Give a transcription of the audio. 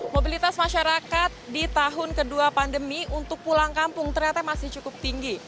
mobilitas masyarakat di tahun kedua pandemi untuk pulang kampung ternyata masih cukup tinggi